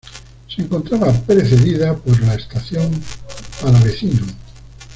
Se encontraba precedida por la Estación Palavecino.